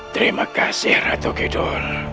terima kasih ratu kidul